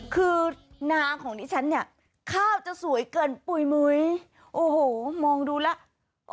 คือนางของดิฉันคลาบจะสวยเกินปุ่ยมุ้ยโอ้โหมองดูแล้ว